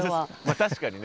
確かにね